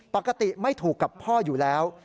ปกติไม่ถูกกับพ่ออยู่แล้ว